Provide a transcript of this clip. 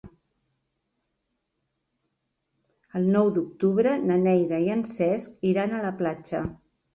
El nou d'octubre na Neida i en Cesc iran a la platja.